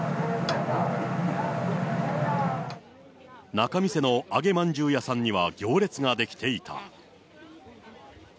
仲見世の揚げまんじゅう屋さんには行列が出来ていた。